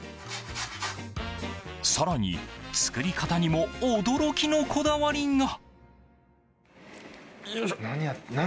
更に、作り方にも驚きのこだわりが。